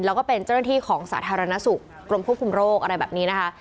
แล้วก็เป็นเจ้าหน้าที่ของสาธารณสุขกรมควบคุมโรคอะไรแบบนี้นะคะ